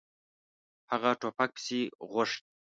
هغه ټوپک پسې غوښت.